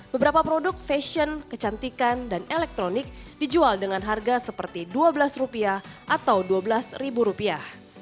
beberapa produk fashion kecantikan dan elektronik dijual dengan harga seperti dua belas rupiah atau dua belas ribu rupiah